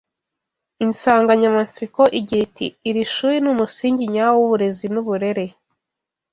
i nsanganyamatsiko igira iti ‘Ishuri ni umusingi nyawo w’uburezi n’uburere’